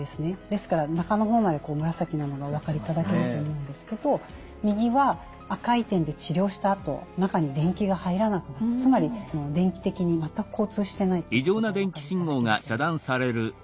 ですから中の方まで紫なのがお分かりいただけると思うんですけど右は赤い点で治療したあと中に電気が入らなくなってつまり電気的に全く交通してないということがお分かりいただけると思います。